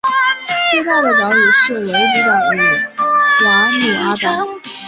最大的岛屿为维提岛与瓦努阿岛。